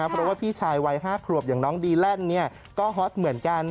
เพราะว่าพี่ชายวัย๕ขวบอย่างน้องดีแลนด์ก็ฮอตเหมือนกัน